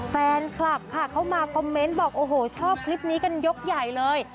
แฟนคลับค่ะเข้ามาคอมเมนต์บอกโอ้โหชอบคลิปนี้กันยกใหญ่เลย